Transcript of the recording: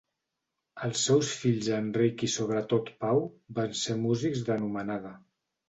Els seus fills Enric i sobretot Pau van ser músics d'anomenada.